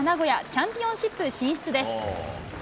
チャンピオンシップ進出です。